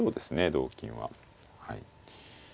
同金ははい。